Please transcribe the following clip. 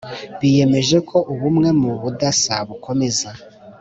Biyemeje ko ubumwe mu budasa bukomeza